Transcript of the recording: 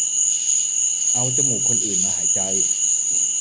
เอาจมูกคนอื่นมาหายใจ